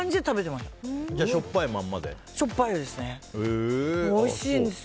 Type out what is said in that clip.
しょっぱいですね。